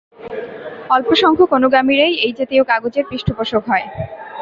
অল্পসংখ্যক অনুগামীরাই এই-জাতীয় কাগজের পৃষ্ঠপোষক হয়।